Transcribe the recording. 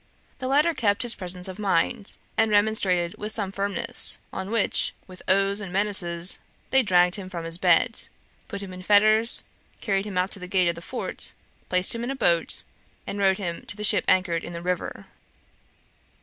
The latter kept his presence of mind, and remonstrated with some firmness; on which, with oaths and menaces, they dragged him from his bed, put him in fetters, carried him out to the gate of the fort, placed him in a boat, and rowed him to the ship anchored in the river.